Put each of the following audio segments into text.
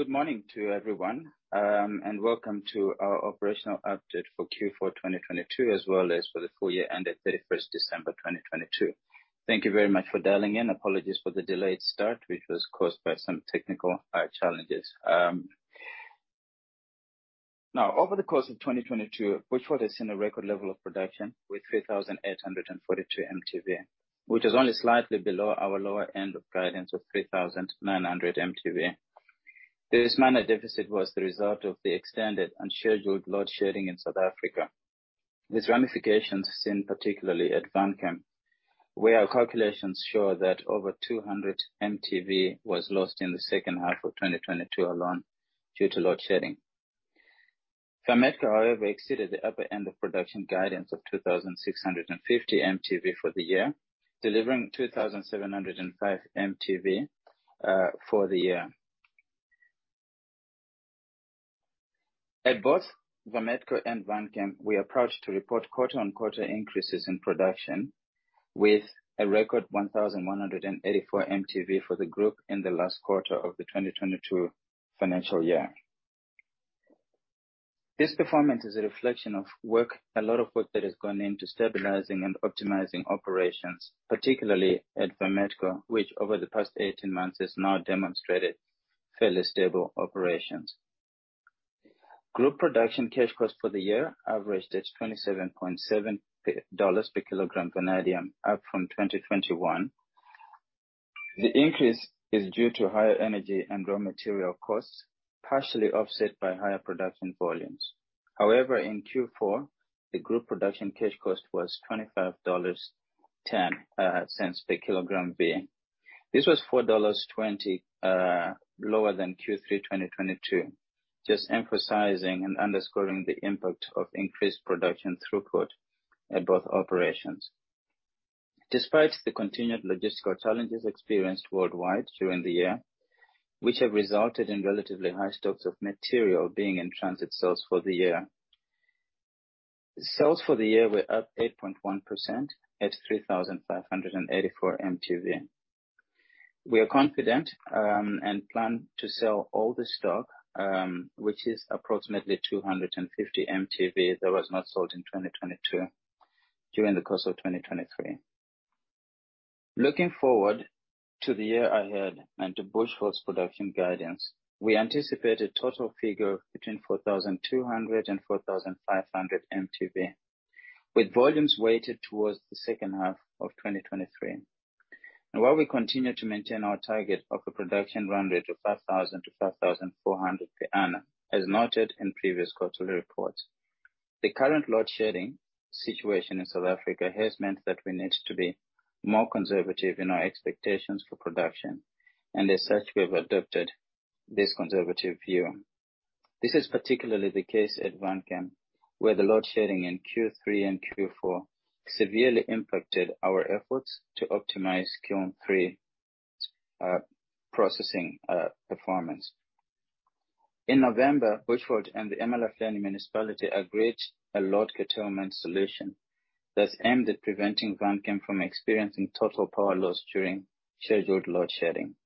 Good morning to everyone, and welcome to our operational update for Q4 2022, as well as for the full year ended 31st December 2022. Thank you very much for dialing in. Apologies for the delayed start, which was caused by some technical challenges. Now, over the course of 2022, Bushveld has seen a record level of production with 3,842 MTV, which is only slightly below our lower end of guidance of 3,900 MTV. This minor deficit was the result of the extended unscheduled load shedding in South Africa, with ramifications seen particularly at Vanchem, where our calculations show that over 200 MTV was lost in the second half of 2022 alone due to load shedding. Vametco, however, exceeded the upper end of production guidance of 2,650 MTV for the year, delivering 2,705 MTV for the year. At both Vametco and Vanchem, we approach to report quarter-on-quarter increases in production with a record 1,184 MTV for the group in the last quarter of the 2022 financial year. This performance is a reflection of work, a lot of work that has gone into stabilizing and optimizing operations, particularly at Vametco, which over the past 18 months has now demonstrated fairly stable operations. Group production cash cost for the year averaged at $27.7 per kg vanadium, up from 2021. The increase is due to higher energy and raw material costs, partially offset by higher production volumes. In Q4, the group production cash cost was $25.10 per kg V. This was $4.20 lower than Q3 2022, just emphasizing and underscoring the impact of increased production throughput at both operations. Despite the continued logistical challenges experienced worldwide during the year, which have resulted in relatively high stocks of material being in transit sales for the year. Sales for the year were up 8.1% at 3,584 MTV. We are confident and plan to sell all the stock, which is approximately 250 MTV that was not sold in 2022 during the course of 2023. Looking forward to the year ahead and to Bushveld's production guidance, we anticipate a total figure between 4,200 and 4,500 MTV, with volumes weighted towards the second half of 2023. While we continue to maintain our target of a production run rate of 5,000 to 5,400 per annum, as noted in previous quarterly reports, the current load shedding situation in South Africa has meant that we need to be more conservative in our expectations for production, and as such, we have adopted this conservative view. This is particularly the case at Vanchem, where the load shedding in Q3 and Q4 severely impacted our efforts to optimize Kiln 3, processing, performance. In November, Bushveld and the eMalahleni Municipality agreed a load curtailment solution that's aimed at preventing Vanchem from experiencing total power loss during scheduled load shedding.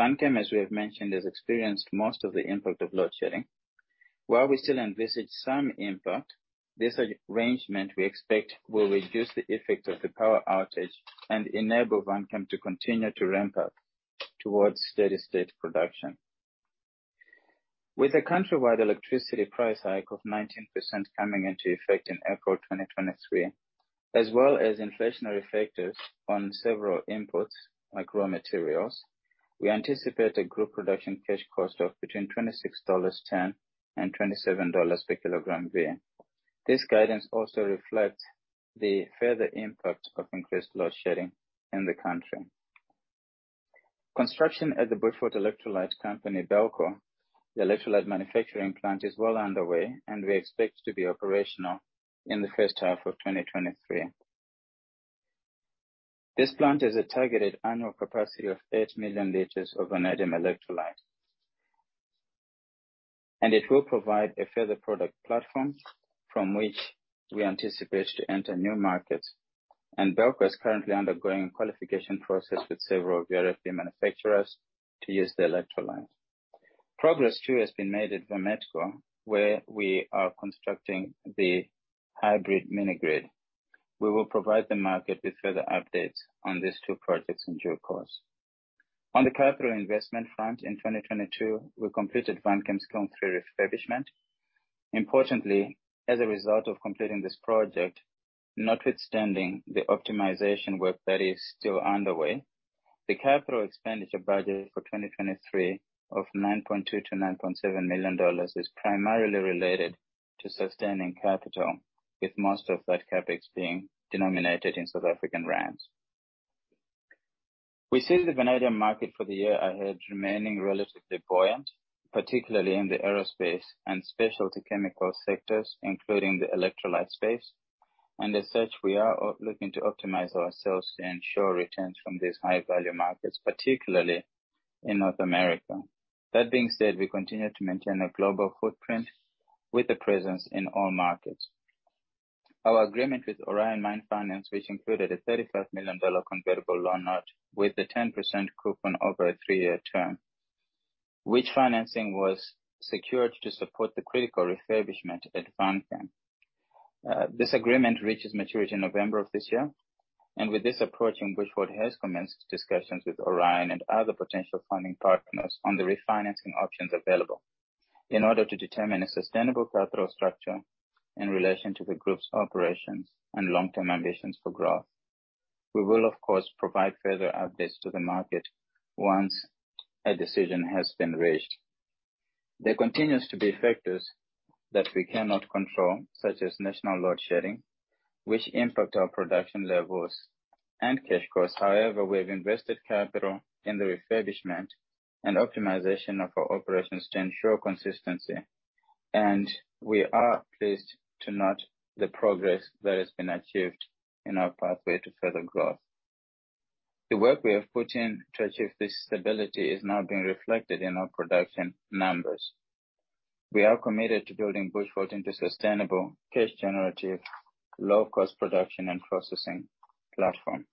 Vanchem, as we have mentioned, has experienced most of the impact of load shedding. While we still envisage some impact, this arrangement, we expect, will reduce the effect of the power outage and enable Vanchem to continue to ramp up towards steady state production. With a countrywide electricity price hike of 19% coming into effect in April 2023, as well as inflationary factors on several inputs like raw materials, we anticipate a group production cash cost of between $26.10 and $27 per kg vanadium. This guidance also reflects the further impact of increased load shedding in the country. Construction at the Bushveld Electrolyte Company, BELCO, the electrolyte manufacturing plant, is well underway and we expect to be operational in the first half of 2023. This plant has a targeted annual capacity of 8 million liters of vanadium electrolyte. It will provide a further product platform from which we anticipate to enter new markets. BELCO is currently undergoing a qualification process with several VRFB manufacturers to use the electrolyte. Progress, too, has been made at Vametco, where we are constructing the hybrid mini grid. We will provide the market with further updates on these two projects in due course. On the capital investment front in 2022, we completed Vanchem's Kiln 3 refurbishment. Importantly, as a result of completing this project, notwithstanding the optimization work that is still underway, the capital expenditure budget for 2023 of $9.2 million-$9.7 million is primarily related to sustaining capital, with most of that CapEx being denominated in South African rands. We see the vanadium market for the year ahead remaining relatively buoyant, particularly in the aerospace and specialty chemical sectors, including the electrolyte space. As such, we are looking to optimize ourselves to ensure returns from these high-value markets, particularly in North America. That being said, we continue to maintain a global footprint with a presence in all markets. Our agreement with Orion Mine Finance, which included a $35 million convertible loan note with a 10% coupon over a three-year term, which financing was secured to support the critical refurbishment at Vanchem. This agreement reaches maturity in November of this year, and with this approaching, Bushveld has commenced discussions with Orion and other potential funding partners on the refinancing options available in order to determine a sustainable capital structure in relation to the group's operations and long-term ambitions for growth. We will, of course, provide further updates to the market once a decision has been reached. There continues to be factors that we cannot control, such as national load shedding, which impact our production levels and cash costs. However, we have invested capital in the refurbishment and optimization of our operations to ensure consistency, and we are pleased to note the progress that has been achieved in our pathway to further growth. The work we have put in to achieve this stability is now being reflected in our production numbers. We are committed to building Bushveld into sustainable cash generative, low cost production and processing platforms.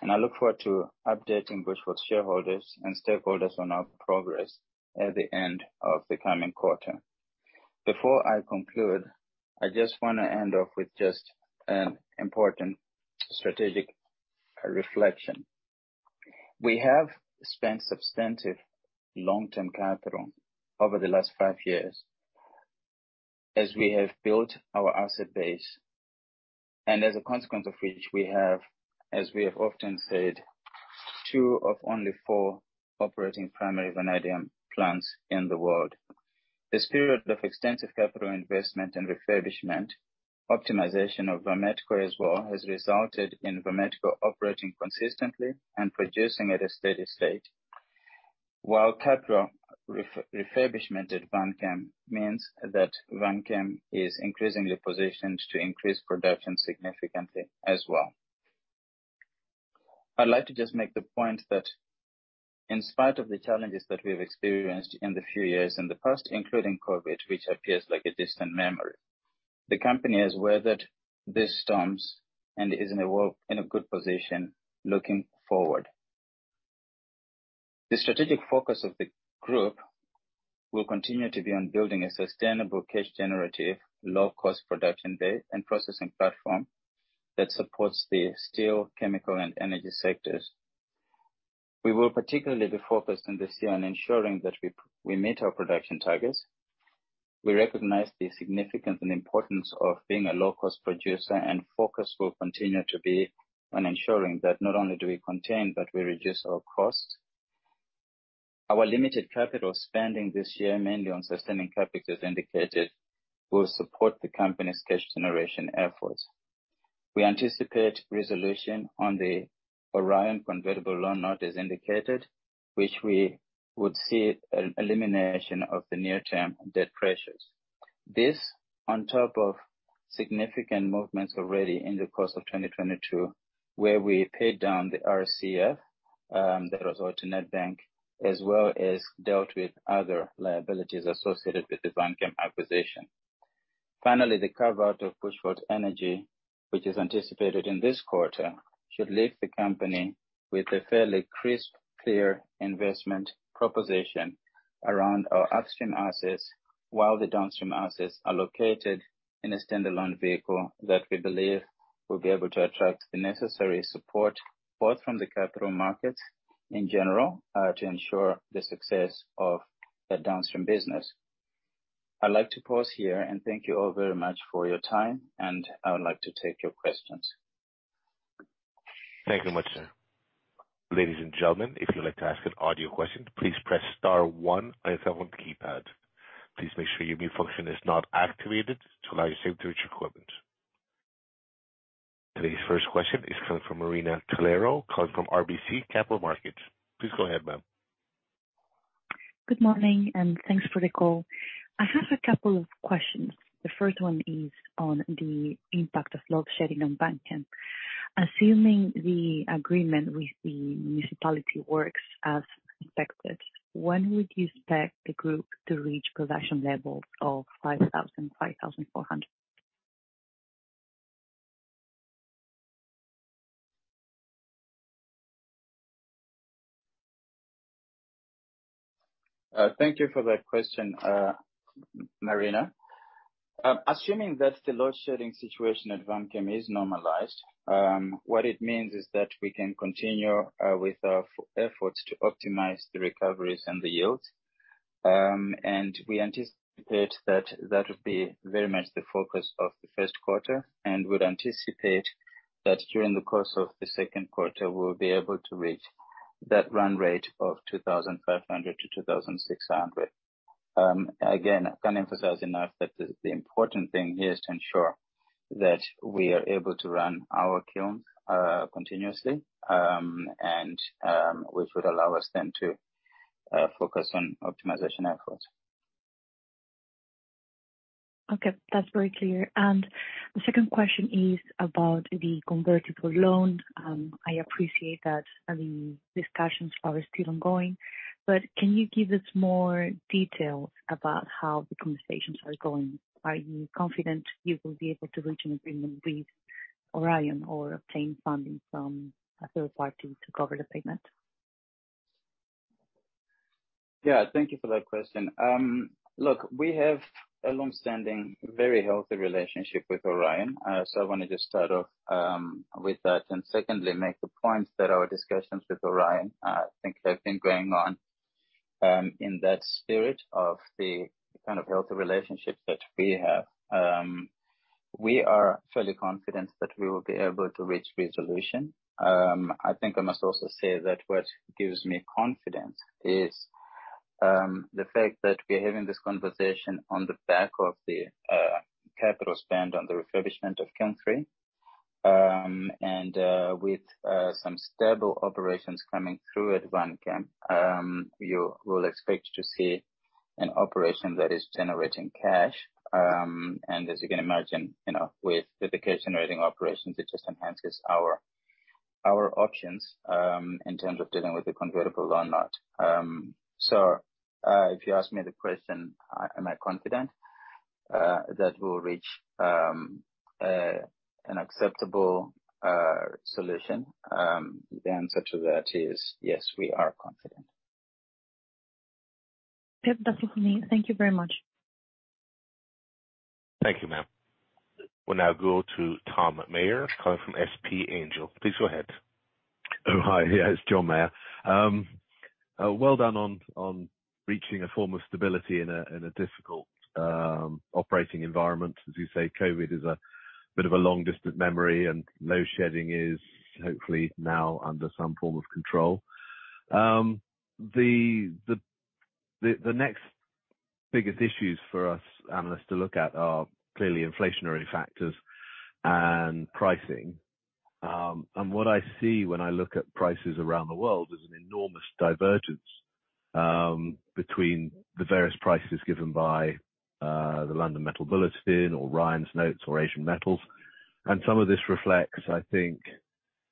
I look forward to updating Bushveld shareholders and stakeholders on our progress at the end of the coming quarter. Before I conclude, I just wanna end off with just an important strategic reflection. We have spent substantive long-term capital over the last five years as we have built our asset base, and as a consequence of which we have, as we have often said, two of only four operating primary vanadium plants in the world. This period of extensive capital investment and refurbishment, optimization of Vametco as well, has resulted in Vametco operating consistently and producing at a steady state, while capital refurbishment at Vanchem means that Vanchem is increasingly positioned to increase production significantly as well. I'd like to just make the point that in spite of the challenges that we have experienced in the few years in the past, including COVID, which appears like a distant memory, the company has weathered these storms and is in a good position looking forward. The strategic focus of the group will continue to be on building a sustainable cash generative, low cost production bay and processing platform that supports the steel, chemical and energy sectors. We will particularly be focused this year on ensuring that we meet our production targets. We recognize the significance and importance of being a low cost producer, Focus will continue to be on ensuring that not only do we contain, but we reduce our costs. Our limited capital spending this year, mainly on sustaining CapEx, as indicated, will support the company's cash generation efforts. We anticipate resolution on the Orion convertible loan note as indicated, which we would see an elimination of the near-term debt pressures. This on top of significant movements already in the course of 2022, where we paid down the RCF, the result in Absa Bank, as well as dealt with other liabilities associated with the Vanchem acquisition. Finally, the cover out of Bushveld Energy, which is anticipated in this quarter, should leave the company with a fairly crisp, clear investment proposition around our upstream assets while the downstream assets are located in a standalone vehicle that we believe will be able to attract the necessary support, both from the capital markets in general, to ensure the success of the downstream business. I'd like to pause here and thank you all very much for your time, and I would like to take your questions. Thank you much, sir. Ladies and gentlemen, if you would like to ask an audio question, please press star 1 on your telephone keypad. Please make sure your mute function is not activated to allow you to save through to your equipment. Today's first question is coming from Marina Calvo, calling from RBC Capital Markets. Please go ahead, ma'am. Good morning, thanks for the call. I have a couple of questions. The first one is on the impact of load shedding on Vanchem. Assuming the agreement with the municipality works as expected, when would you expect the group to reach production levels of 5,000, 5,400? Thank you for that question, Marina. Assuming that the load shedding situation at Vanchem is normalized, what it means is that we can continue with our efforts to optimize the recoveries and the yields. We anticipate that that would be very much the focus of the first quarter and would anticipate that during the course of the second quarter, we'll be able to reach that run rate of 2,500-2,600. Again, I can't emphasize enough that the important thing here is to ensure that we are able to run our kilns continuously. Which would allow us then to focus on optimization efforts. Okay, that's very clear. The second question is about the convertible loan. I appreciate that the discussions are still ongoing, but can you give us more details about how the conversations are going? Are you confident you will be able to reach an agreement with Orion or obtain funding from a third party to cover the payment? Yeah. Thank you for that question. Look, we have a long-standing, very healthy relationship with Orion. I wanna just start off with that. Secondly, make the point that our discussions with Orion, I think have been going on in that spirit of the kind of healthy relationships that we have. We are fairly confident that we will be able to reach resolution. I think I must also say that what gives me confidence is the fact that we're having this conversation on the back of the capital spend on the refurbishment of Kiln 3. With some stable operations coming through at Vanchem, you will expect to see an operation that is generating cash. As you can imagine, you know, with the cash generating operations, it just enhances our options in terms of dealing with the convertible loan note. If you ask me the question, am I confident that we'll reach an acceptable solution? The answer to that is yes, we are confident. Yep. That's it for me. Thank you very much. Thank you, ma'am. We'll now go to John Meyer calling from SP Angel. Please go ahead. Oh, hi. Yeah, it's John Meyer. Well done on reaching a form of stability in a difficult operating environment. As you say, COVID is a bit of a long-distance memory, and load shedding is hopefully now under some form of control. The next biggest issues for us analysts to look at are clearly inflationary factors and pricing. What I see when I look at prices around the world is an enormous divergence between the various prices given by the London Metal Bulletin or Ryan's Notes or Asian Metals. Some of this reflects, I think,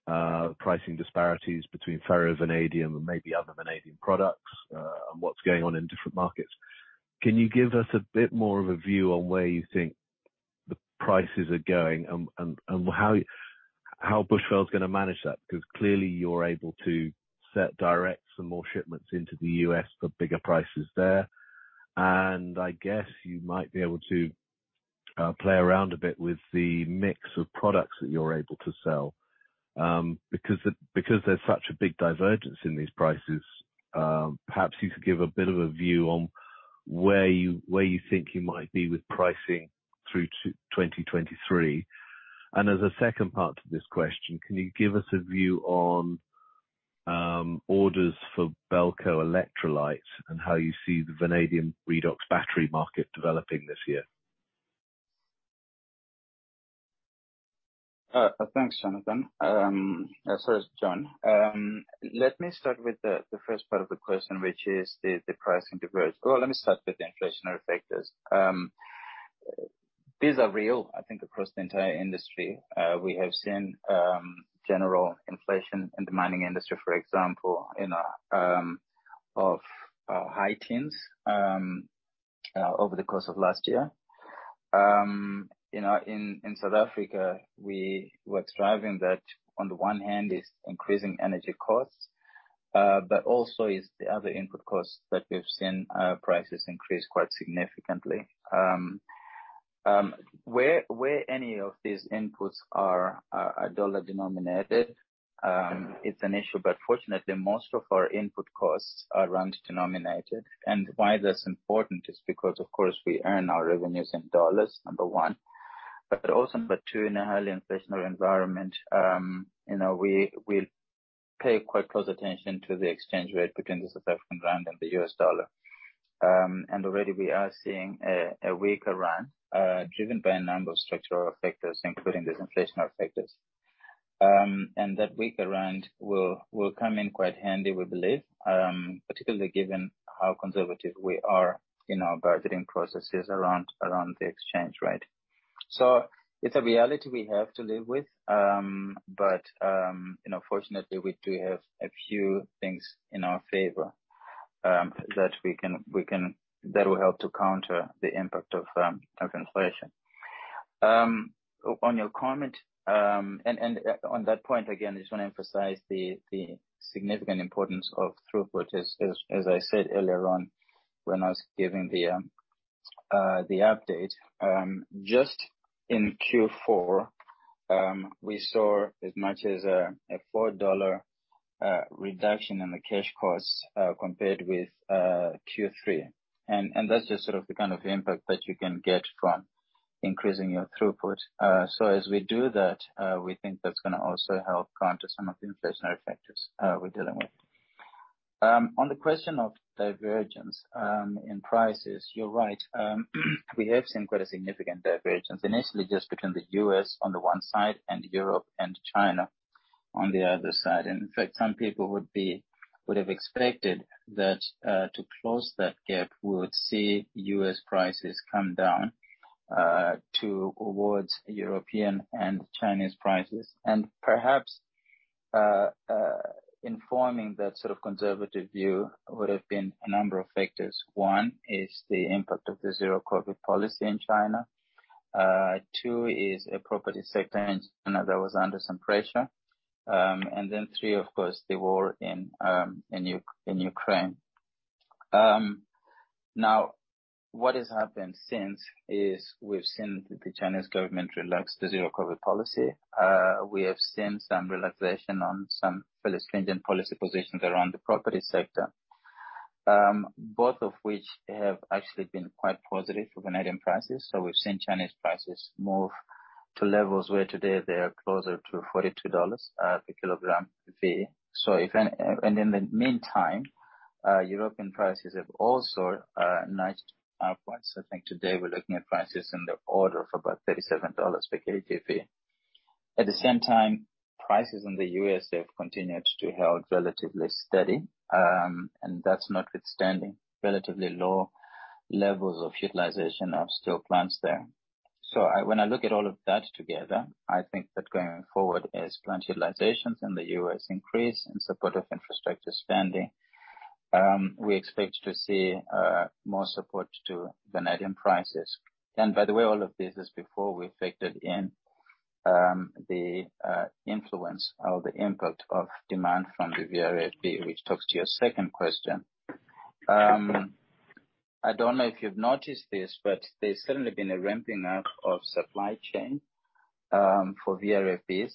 pricing disparities between ferrovanadium and maybe other vanadium products and what's going on in different markets. Can you give us a bit more of a view on where you think the prices are going and how Bushveld is gonna manage that? Clearly you're able to set direct some more shipments into the US for bigger prices there. I guess you might be able to play around a bit with the mix of products that you're able to sell because there's such a big divergence in these prices. Perhaps you could give a bit of a view on where you think you might be with pricing through 2023. As a second part to this question, can you give us a view on orders for BELCO Electrolyte and how you see the vanadium redox battery market developing this year? Thanks, Jonathan. Sorry, John. Let me start with the first part of the question, which is the pricing diverge. Well, let me start with the inflationary factors. These are real, I think, across the entire industry. We have seen general inflation in the mining industry, for example, you know, of high teens over the course of last year. You know, in South Africa, we were striving that on the one hand is increasing energy costs, but also is the other input costs that we've seen prices increase quite significantly. Where any of these inputs are dollar-denominated, it's an issue. Fortunately, most of our input costs are rand-denominated. Why that's important is because, of course, we earn our revenues in dollars, number one. Also number 2, in a highly inflationary environment, you know, we pay quite close attention to the exchange rate between the South African rand and the US dollar. Already we are seeing a weaker rand, driven by a number of structural factors, including these inflationary factors. That weaker rand will come in quite handy, we believe, particularly given how conservative we are in our budgeting processes around the exchange rate. It's a reality we have to live with. You know, fortunately, we do have a few things in our favor that will help to counter the impact of inflation. On your comment, and on that point, again, I just wanna emphasize the significant importance of throughput, as I said earlier on when I was giving the update. Just in Q4, we saw as much as a $4 reduction in the cash costs compared with Q3. That's just sort of the kind of impact that you can get from increasing your throughput. As we do that, we think that's gonna also help counter some of the inflationary factors we're dealing with. On the question of divergence in prices, you're right. We have seen quite a significant divergence initially just between the US on the one side and Europe and China on the other side. In fact, some people would have expected that, to close that gap, we would see US prices come down, towards European and Chinese prices. Informing that sort of conservative view would have been a number of factors. One is the impact of the zero-COVID policy in China. Two is a property sector in China that was under some pressure. Three, of course, the war in Ukraine. Now, what has happened since is we've seen the Chinese government relax the zero-COVID policy. We have seen some relaxation on some fairly stringent policy positions around the property sector, both of which have actually been quite positive for vanadium prices. We've seen Chinese prices move to levels where today they are closer to $42 per kg V. In the meantime, European prices have also inched upwards. I think today we're looking at prices in the order of about $37 per kg V. At the same time, prices in the US have continued to hold relatively steady, and that's notwithstanding relatively low levels of utilization of steel plants there. When I look at all of that together, I think that going forward as plant utilizations in the US increase in support of infrastructure spending, we expect to see more support to vanadium prices. By the way, all of this is before we factored in the influence or the impact of demand from the VRFB, which talks to your second question. I don't know if you've noticed this, there's certainly been a ramping up of supply chain for VRFBs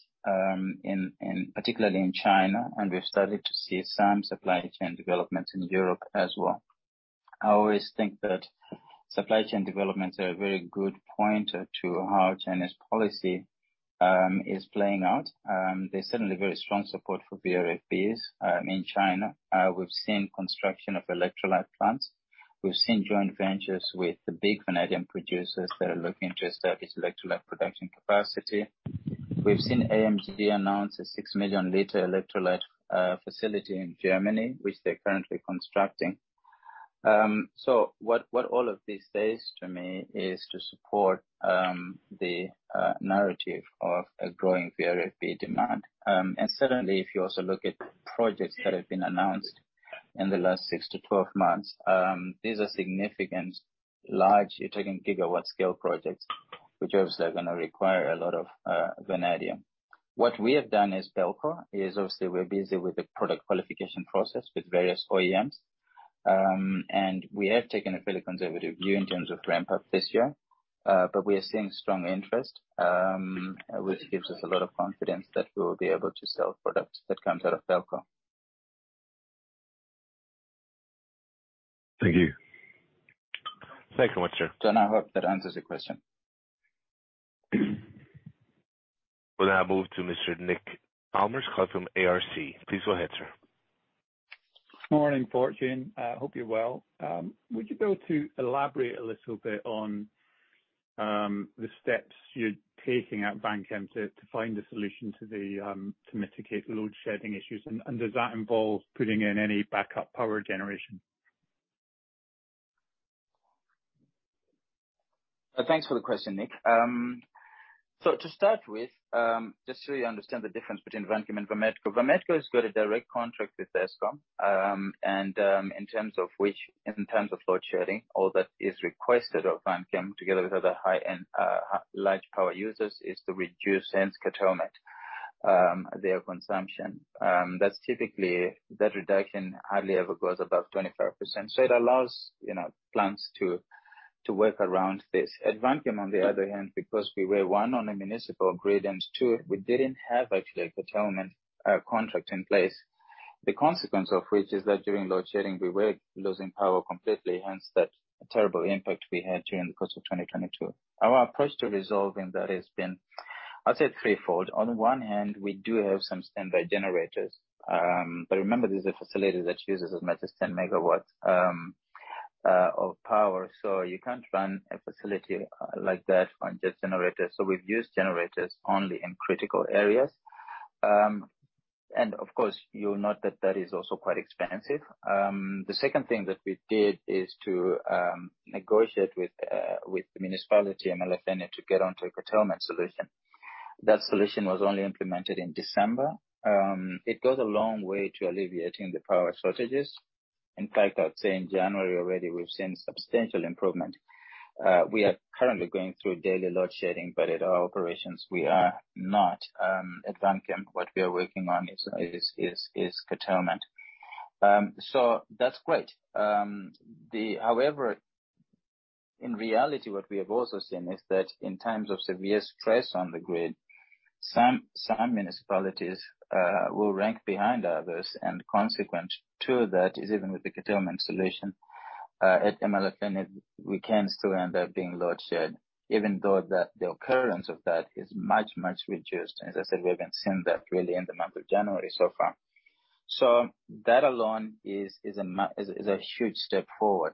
in particularly in China. We've started to see some supply chain developments in Europe as well. I always think that supply chain developments are a very good pointer to how Chinese policy is playing out. There's certainly very strong support for VRFBs in China. We've seen construction of electrolyte plants. We've seen joint ventures with the big vanadium producers that are looking to establish electrolyte production capacity. We've seen AMG announce a 6 million liter electrolyte facility in Germany, which they're currently constructing. What all of this says to me is to support the narrative of a growing VRFB demand. Certainly, if you also look at projects that have been announced in the last 6-12 months, these are significant, large, you're talking gigawatt scale projects, which obviously are gonna require a lot of vanadium. What we have done as BELCO is, obviously we're busy with the product qualification process with various OEMs, and we have taken a fairly conservative view in terms of ramp up this year. We are seeing strong interest, which gives us a lot of confidence that we will be able to sell products that comes out of BELCO. Thank you. Thank you much, sir. John, I hope that answers your question. We'll now move to Mr. Nick Chalmers-Clough from ARC. Please go ahead, sir. Morning, Fortune. I hope you're well. Would you be able to elaborate a little bit on the steps you're taking at Vametco to find a solution to the to mitigate load shedding issues? Does that involve putting in any backup power generation? Thanks for the question, Nick. Just so you understand the difference between Vanchem and Vametco. Vametco has got a direct contract with Eskom, in terms of which, in terms of load shedding, all that is requested of Vanchem together with other high-end, large power users, is to reduce, hence curtailment, their consumption. That's typically, that reduction hardly ever goes above 25%. It allows, you know, plants to work around this. At Vanchem on the other hand, because we were, one, on a municipal grid, and two, we didn't have actually a curtailment contract in place. The consequence of which is that during load shedding we were losing power completely, hence that terrible impact we had during the course of 2022. Our approach to resolving that has been, I'd say threefold. On one hand, we do have some standby generators. Remember, this is a facility that uses as much as 10 megawatts of power, so you can't run a facility like that on just generators. We've used generators only in critical areas. Of course, you'll note that that is also quite expensive. The second thing that we did is to negotiate with the municipality, eMalahleni, to get onto a curtailment solution. That solution was only implemented in December. It goes a long way to alleviating the power shortages. I'd say in January already, we've seen substantial improvement. We are currently going through daily load shedding, but at our operations we are not at Vanchem. What we are working on is curtailment. That's great. However, in reality what we have also seen is that in times of severe stress on the grid, some municipalities will rank behind others, and consequent to that is even with the curtailment solution at eMalahleni, we can still end up being load shed, even though that the occurrence of that is much, much reduced. As I said, we have been seeing that really in the month of January so far. That alone is a huge step forward.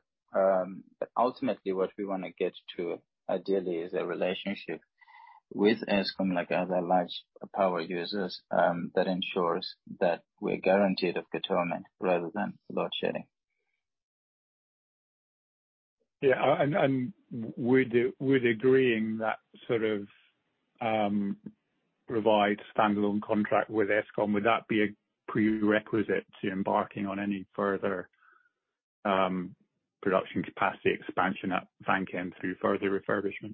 Ultimately what we wanna get to ideally is a relationship with Eskom, like other large power users, that ensures that we're guaranteed of curtailment rather than load shedding. Yeah, would agreeing that sort of, provide standalone contract with Eskom, would that be a prerequisite to embarking on any further, production capacity expansion at Vanchem through further refurbishment?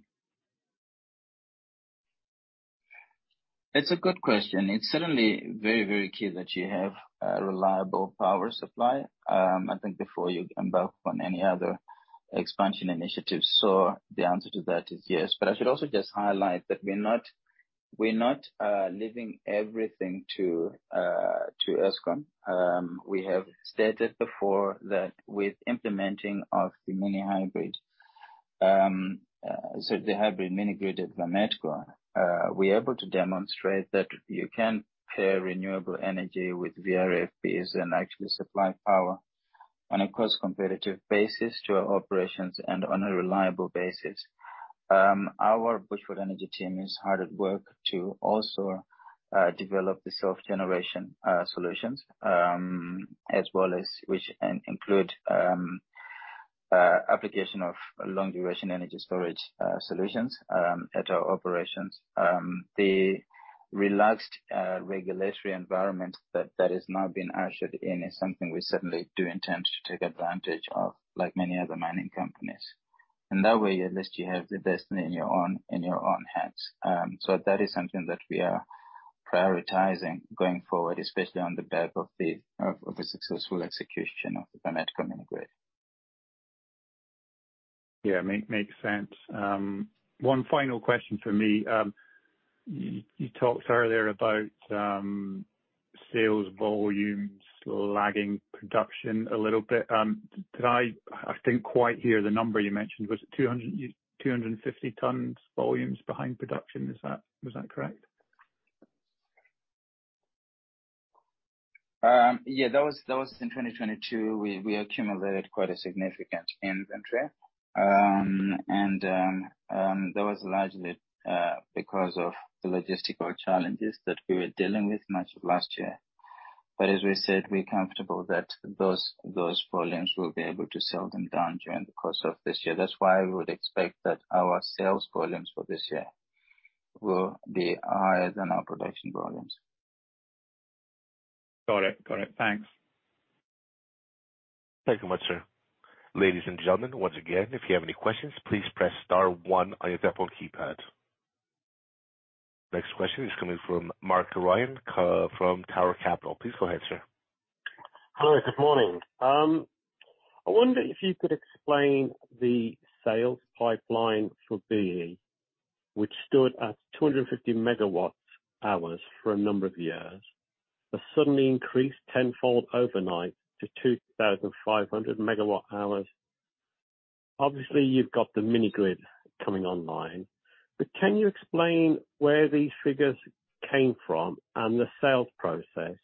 It's a good question. It's certainly very, very key that you have a reliable power supply, I think before you embark on any other expansion initiatives. The answer to that is yes. I should also just highlight that we're not leaving everything to Eskom. We have stated before that with implementing of the hybrid mini grid at Vametco, we're able to demonstrate that you can pair renewable energy with VRFBs and actually supply power on a cost competitive basis to our operations and on a reliable basis. Our Bushveld Energy team is hard at work to also develop the self-generation solutions, as well as which include application of long-duration energy storage solutions at our operations. The relaxed regulatory environment that has now been ushered in is something we certainly do intend to take advantage of like many other mining companies. In that way, at least you have the destiny in your own hands. That is something that we are prioritizing going forward, especially on the back of a successful execution of the Vametco mini-grid. Yeah. Makes sense. One final question from me. You talked earlier about sales volumes lagging production a little bit. I didn't quite hear the number you mentioned. Was it 200-250 tons volumes behind production? Was that correct? That was in 2022. We accumulated quite a significant inventory. That was largely because of the logistical challenges that we were dealing with much of last year. As we said, we're comfortable that those volumes we'll be able to sell them down during the course of this year. That's why we would expect that our sales volumes for this year will be higher than our production volumes. Got it. Got it. Thanks. Thank you much, sir. Ladies and gentlemen, once again, if you have any questions, please press star 1 on your telephone keypad. Next question is coming from Mark Rains, from Tower Capital. Please go ahead, sir. Hello, good morning. I wonder if you could explain the sales pipeline for BE, which stood at 250 megawatt hours for a number of years, but suddenly increased tenfold overnight to 2,500 megawatt hours. Obviously, you've got the mini grid coming online, but can you explain where these figures came from and the sales process?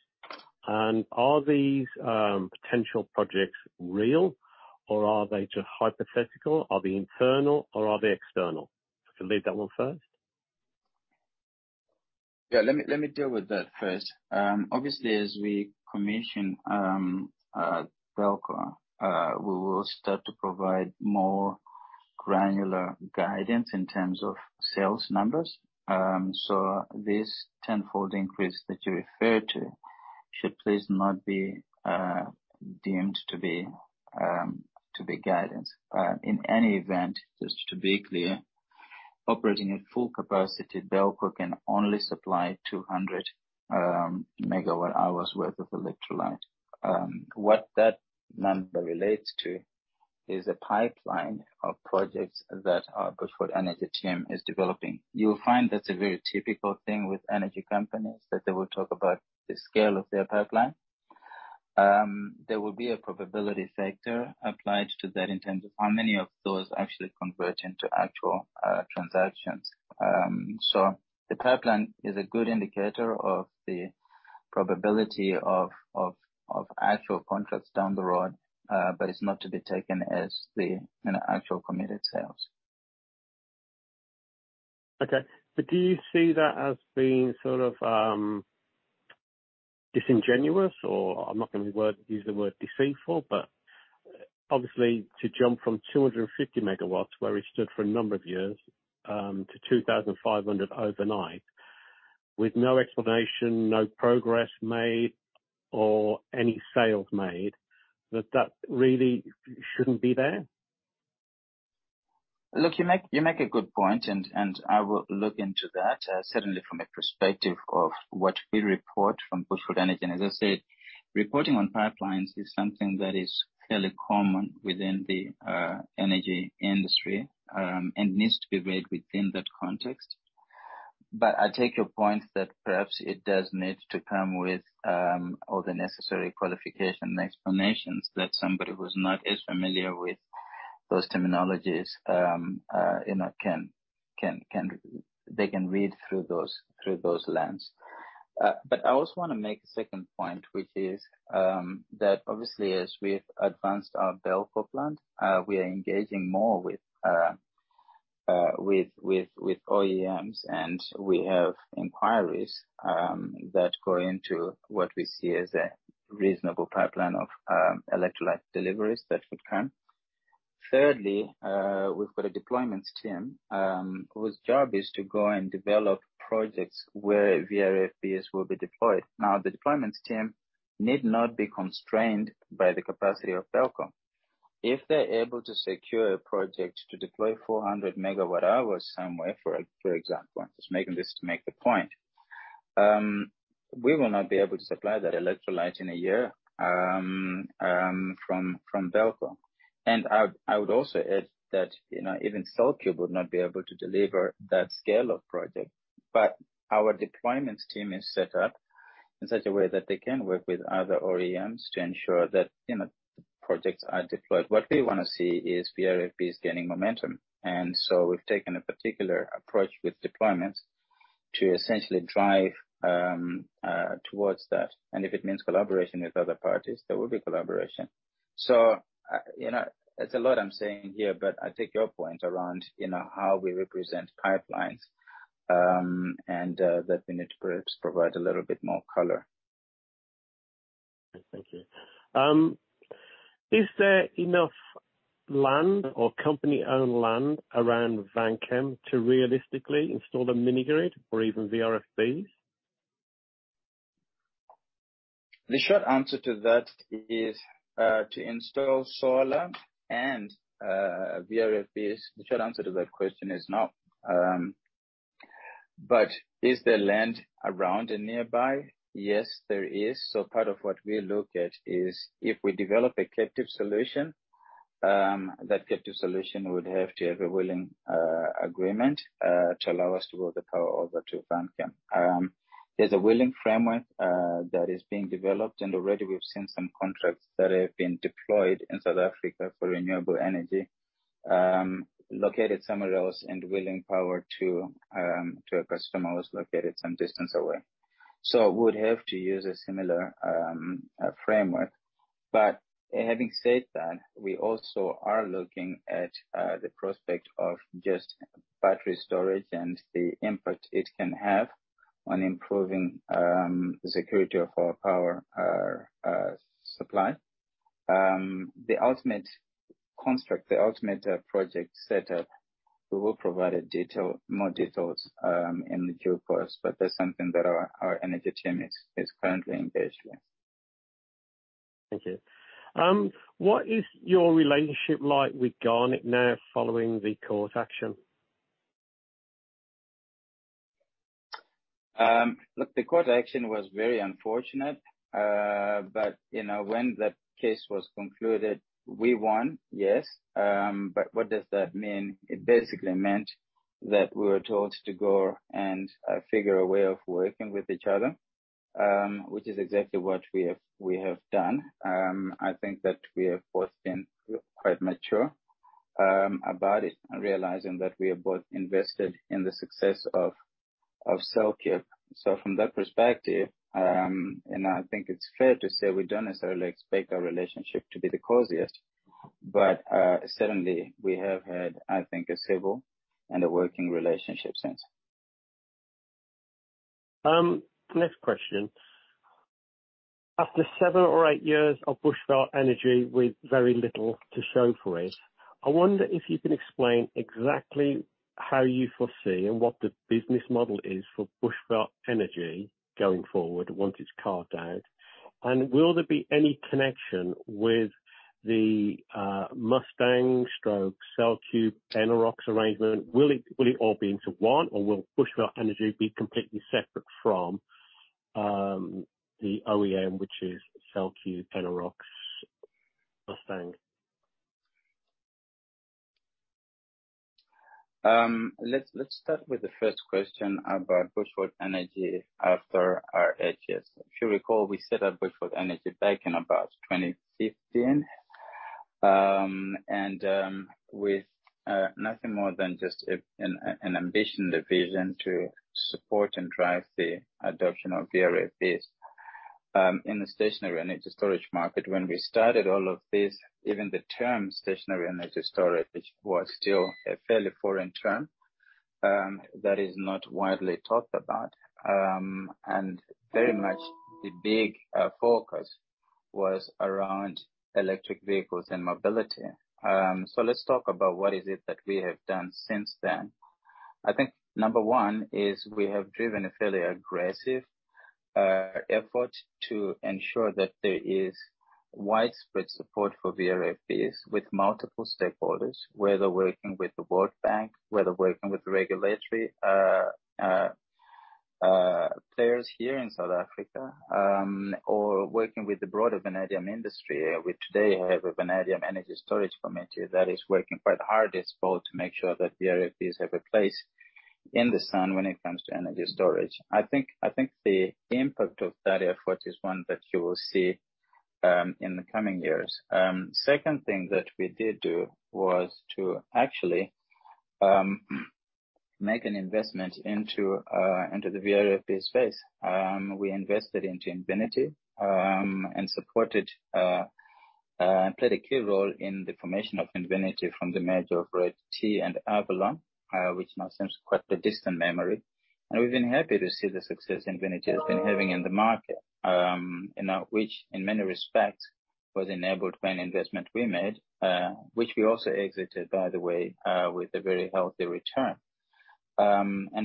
Are these potential projects real or are they just hypothetical? Are they internal or are they external? If you can lead that one first. Yeah. Let me deal with that first. Obviously, as we commission BELCO, we will start to provide more granular guidance in terms of sales numbers. This tenfold increase that you referred to should please not be deemed to be guidance. In any event, just to be clear, operating at full capacity, BELCO can only supply 200 megawatt hours worth of electrolyte. What that number relates to is a pipeline of projects that our Bushveld Energy team is developing. You'll find that's a very typical thing with energy companies, that they will talk about the scale of their pipeline. There will be a probability factor applied to that in terms of how many of those actually convert into actual transactions. The pipeline is a good indicator of the probability of actual contracts down the road, but it's not to be taken as the, you know, actual committed sales. Do you see that as being sort of disingenuous or I'm not gonna use the word deceitful, but obviously to jump from 250 megawatts where we stood for a number of years to 2,500 overnight with no explanation, no progress made or any sales made, that really shouldn't be there? Look, you make a good point, and I will look into that, certainly from a perspective of what we report from Bushveld Energy. As I said, reporting on pipelines is something that is fairly common within the energy industry, and needs to be read within that context. I take your point that perhaps it does need to come with all the necessary qualification and explanations that somebody who's not as familiar with those terminologies, you know, can they can read through those, through those lens. I also wanna make a second point, which is that obviously as we've advanced our BELCO plant, we are engaging more with OEMs, and we have inquiries that go into what we see as a reasonable pipeline of electrolyte deliveries that would come. Thirdly, we've got a deployments team whose job is to go and develop projects where VRFBs will be deployed. Now, the deployments team need not be constrained by the capacity of BELCO. If they're able to secure a project to deploy 400 megawatt hours somewhere, for example, I'm just making this to make the point. We will not be able to supply that electrolyte in a year from BELCO. I would also add that, you know, even CellCube would not be able to deliver that scale of project. Our deployments team is set up in such a way that they can work with other OEMs to ensure that, you know, the projects are deployed. What we wanna see is VRFBs gaining momentum. So we've taken a particular approach with deployments to essentially drive towards that. If it means collaboration with other parties, there will be collaboration. You know, that's a lot I'm saying here, but I take your point around, you know, how we represent pipelines, and that we need to perhaps provide a little bit more color. Thank you. Is there enough land or company-owned land around Vanchem to realistically install a mini grid or even VRFBs? The short answer to that is to install solar and VRFBs. The short answer to that question is no. Is there land around and nearby? Yes, there is. Part of what we look at is if we develop a captive solution, that captive solution would have to have a willing agreement to allow us to roll the power over to Vanchem. There's a wheeling framework that is being developed, and already we've seen some contracts that have been deployed in South Africa for renewable energy, located somewhere else and willing power to a customer who's located some distance away. We would have to use a similar framework. Having said that, we also are looking at the prospect of just battery storage and the input it can have on improving security of our power supply. The ultimate construct, the ultimate project set up, we will provide more details in due course, but that's something that our energy team is currently engaged with. Thank you. What is your relationship like with Garnet now following the court action? Look, the court action was very unfortunate. You know, when that case was concluded, we won, yes. What does that mean? It basically meant that we were told to go and figure a way of working with each other, which is exactly what we have done. I think that we have both been quite mature about it, realizing that we are both invested in the success of CellCube. From that perspective, and I think it's fair to say we don't necessarily expect our relationship to be the coziest. Certainly we have had, I think, a stable and a working relationship since. Next question. After 7 or 8 years of Bushveld Energy with very little to show for it, I wonder if you can explain exactly how you foresee and what the business model is for Bushveld Energy going forward once it's carved out. Will there be any connection with the Mustang/CellCube-Enerox arrangement? Will it all be into one, or will Bushveld Energy be completely separate from the OEM, which is CellCube-Enerox-Mustang? Let's start with the first question about Bushveld Energy after RHS. If you recall, we set up Bushveld Energy back in about 2015. With nothing more than just an ambition, the vision to support and drive the adoption of VRFBs in the stationary energy storage market. When we started all of this, even the term stationary energy storage was still a fairly foreign term that is not widely talked about. Very much the big focus was around electric vehicles and mobility. Let's talk about what is it that we have done since then. I think number one is we have driven a fairly aggressive effort to ensure that there is widespread support for VRFBs with multiple stakeholders, whether working with the World Bank, whether working with regulatory players here in South Africa, or working with the broader vanadium industry. We today have a vanadium energy storage committee that is working quite hard, its role to make sure that VRFBs have a place in the sun when it comes to energy storage. I think the impact of that effort is one that you will see in the coming years. Second thing that we did do was to actually make an investment into the VRFB space. We invested into Invinity and supported, played a key role in the formation of Invinity from the merger of redT and Avalon, which now seems quite the distant memory. We've been happy to see the success Invinity has been having in the market, and at which in many respects was enabled by an investment we made, which we also exited, by the way, with a very healthy return.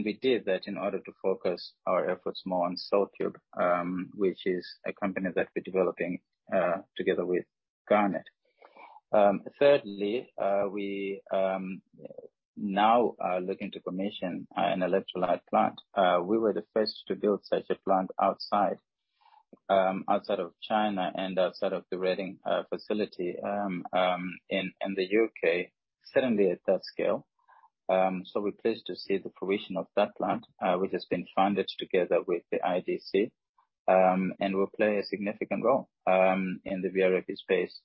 We did that in order to focus our efforts more on CellCube, which is a company that we're developing, together with Garnet. Thirdly, we now are looking to commission an electrolyte plant. We were the first to build such a plant outside of China and outside of the redT facility, in the U.K., certainly at that scale. We're pleased to see the provision of that plant, which has been funded together with the IDC, and will play a significant role in the VRFB space.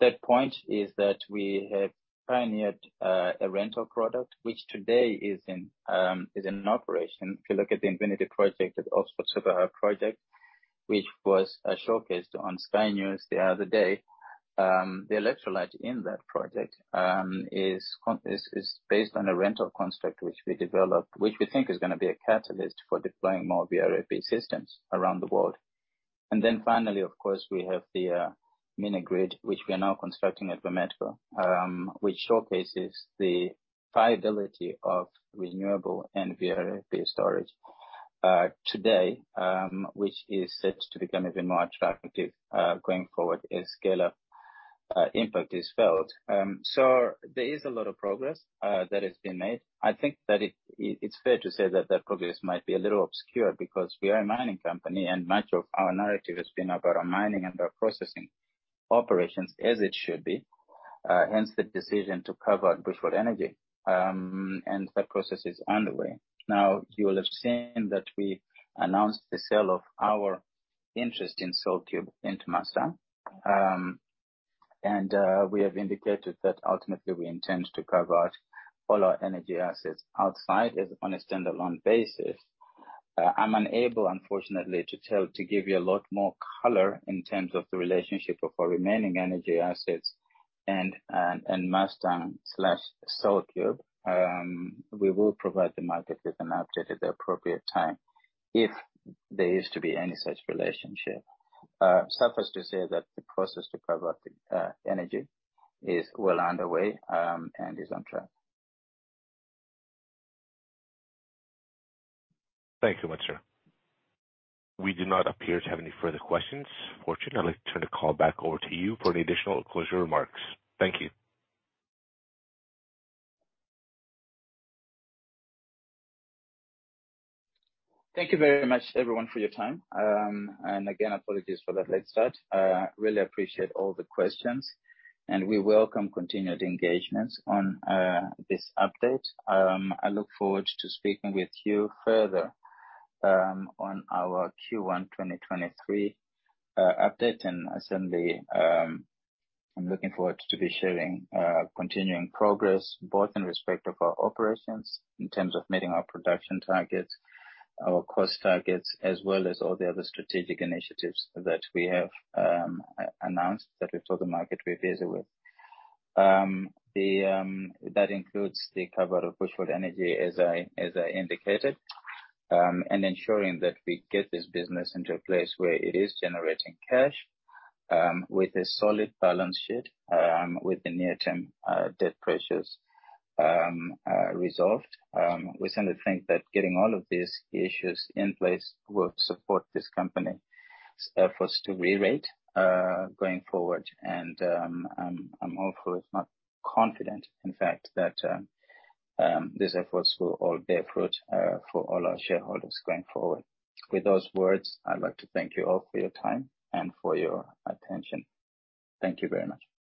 Third point is that we have pioneered a rental product which today is in operation. If you look at the Invinity project, the Oxford PV project, which was showcased on Sky News the other day. The electrolyte in that project is based on a rental construct which we developed, which we think is going to be a catalyst for deploying more VRFB systems around the world. Finally, of course, we have the mini-grid, which we are now constructing at Vametco, which showcases the viability of renewable and VRFB storage today, which is set to become even more attractive going forward as scale-up impact is felt. There is a lot of progress that has been made. I think that it's fair to say that that progress might be a little obscure because we are a mining company, and much of our narrative has been about our mining and our processing operations, as it should be. Hence the decision to carve out Bushveld Energy, and that process is underway. You will have seen that we announced the sale of our interest in CellCube into Mustang. We have indicated that ultimately we intend to carve out all our energy assets outside as on a standalone basis. I'm unable unfortunately to tell, to give you a lot more color in terms of the relationship of our remaining energy assets and Mustang/CellCube. We will provide the market with an update at the appropriate time if there is to be any such relationship. Suffice to say that the process to carve out the energy is well underway and is on track. Thank you much, sir. We do not appear to have any further questions. Fortune, I'd like to turn the call back over to you for any additional closing remarks. Thank you. Thank you very much everyone for your time. Again, apologies for that late start. Really appreciate all the questions, and we welcome continued engagement on this update. I look forward to speaking with you further on our Q1 2023 update. Certainly, I'm looking forward to be sharing continuing progress, both in respect of our operations in terms of meeting our production targets, our cost targets, as well as all the other strategic initiatives that we have announced, that we've told the market we're busy with. That includes the cover of Bushveld Energy, as I indicated, and ensuring that we get this business into a place where it is generating cash, with a solid balance sheet, with the near term debt pressures resolved. We certainly think that getting all of these issues in place will support this company's efforts to rerate going forward. I'm hopeful, if not confident, in fact, that these efforts will all bear fruit for all our shareholders going forward. With those words, I'd like to thank you all for your time and for your attention. Thank you very much.